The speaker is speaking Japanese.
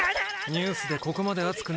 ニュースでここまで熱くなるヤツ